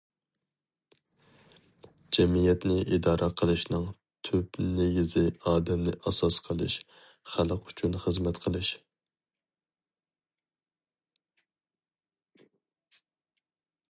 جەمئىيەتنى ئىدارە قىلىشنىڭ تۈپ نېگىزى ئادەمنى ئاساس قىلىش، خەلق ئۈچۈن خىزمەت قىلىش.